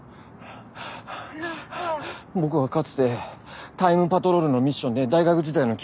はぁはぁ僕はかつてタイムパトロールのミッションで大学時代の君と出会って。